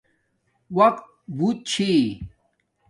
وقت بوت چھی